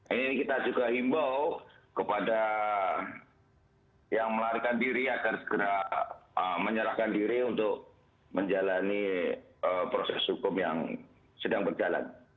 ini kita juga himbau kepada yang melarikan diri agar segera menyerahkan diri untuk menjalani proses hukum yang sedang berjalan